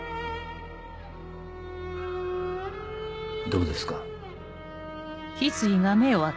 どうですか？